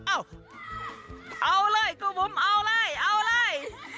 เอาเลยคู่ปุ๋มเอาเลย